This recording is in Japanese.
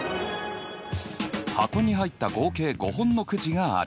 箱に入った合計５本のくじがある。